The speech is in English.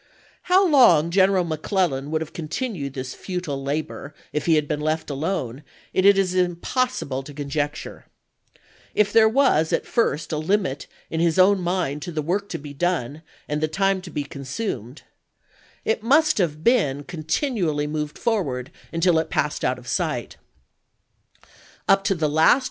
^ How long General McClellan would have con tinued this futile labor if he had been left alone, it is impossible to conjecture. If there was at first a limit in his own mind to the work to be done and the time to be consumed, it must have been con 1 On the 23d of April McClellan add to it to morrow night five 30 1862.